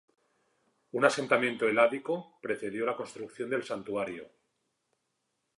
Un asentamiento heládico precedió la construcción del santuario.